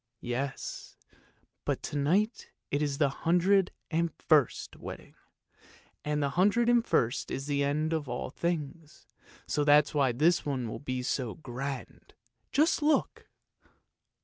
"" Yes, but to night it's the hundred and first wedding, and the hundred and first is the end of all things, so that's why this one will be so grand. Just look!